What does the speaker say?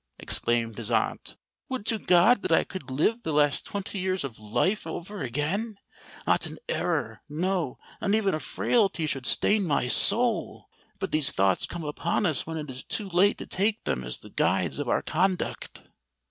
exclaimed his aunt. "Would to God that I could live the last twenty years of my life over again! Not an error—no, not even a frailty should stain my soul! But these thoughts come upon us when it is too late to take them as the guides of our conduct."